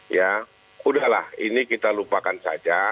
ya udahlah ini kita lupakan saja